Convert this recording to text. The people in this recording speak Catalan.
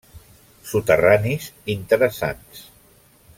Soterranis interessants.